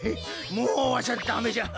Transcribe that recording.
もうわしはダメじゃ。